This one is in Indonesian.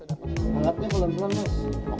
alatnya kalau di lemes